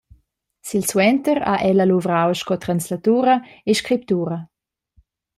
Silsuenter ha ella luvrau sco translatura e scriptura.